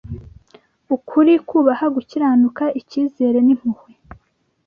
Ukuri, kubaha, gukiranuka, icyizere n’impuhwe